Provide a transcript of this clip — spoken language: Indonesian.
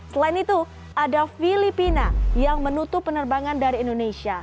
selain itu ada filipina yang menutup penerbangan dari indonesia